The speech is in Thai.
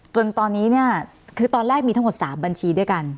จนตอนนี้เนี่ยคือตอนแรกมีทั้งหมด๓บัญชีด้วยกัน